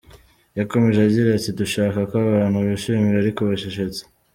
Yakomeje agira ati “Dushaka ko abantu bishima ariko bacecetse.